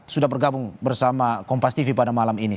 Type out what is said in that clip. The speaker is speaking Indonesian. sudah bergabung bersama kompas tv pada malam ini